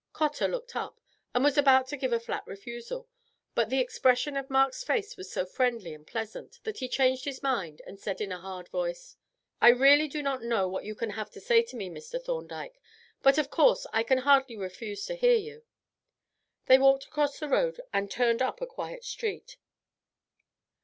Cotter looked up, and was about to give a flat refusal, but the expression of Mark's face was so friendly and pleasant that he changed his mind and said in a hard voice: "I really do not know what you can have to say to me, Mr. Thorndyke, but of course I can hardly refuse to hear you." They walked across the road and turned up a quiet street.